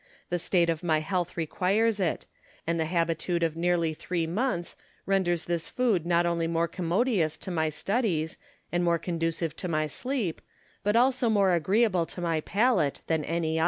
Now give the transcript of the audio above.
The state of my health requires it ; and the habitude of nearly three months renders this food not only more commodious to my 270 IMA GIN A R V CON VERSA TIONS. studies and more conducive to my sleep, but also more agreeable to my palate than any other.